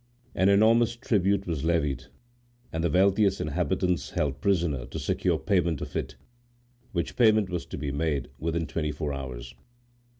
An enormous tribute was levied, and the wealthiest inhabitants held prisoner to secure payment of it, which payment was to be made within twenty four hours.